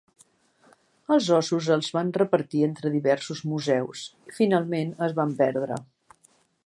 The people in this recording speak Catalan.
Els ossos els van repartir entre diversos museus i finalment es van perdre.